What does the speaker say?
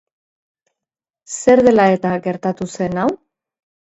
Zer dela eta gertatu zen hau?